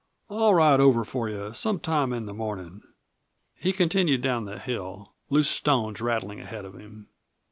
"I'll ride over for you some time in the mornin'." He continued down the hill, loose stones rattling ahead of him.